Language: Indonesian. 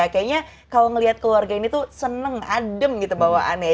kayaknya kalau ngeliat keluarga ini tuh seneng adem gitu bawaannya